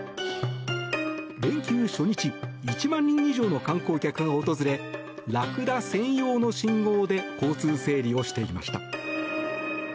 連休初日１万人以上の観光客が訪れラクダ専用の信号で交通整理をしていました。